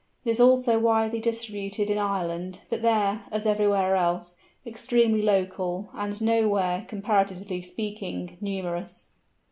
It is also widely distributed in Ireland, but there, as everywhere else, extremely local, and nowhere, comparatively speaking, numerous.